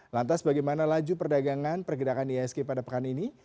lantas bagaimana laju perdagangan pergerakan ihsg pada pekan ini